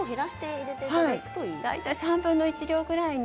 大体３分の１量ぐらいに。